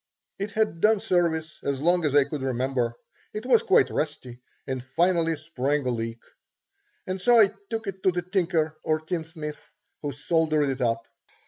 It had done service as long as I could remember. It was quite rusty, and finally sprang a leak. And so I took it to the tinker, or tinsmith, who soldered it up.